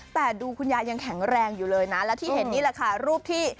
แต่ดูคุณยายยังแข็งแรงอยู่เลยนะและที่เห็นนี่แหละค่ะรูปที่